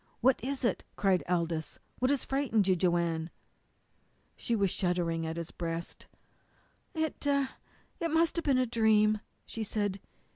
"What is it?" cried Aldous. "What has frightened you, Joanne?" She was shuddering against his breast. "It it must have been a dream," she said.